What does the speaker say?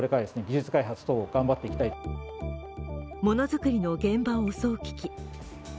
ものづくりの現場を襲う危機。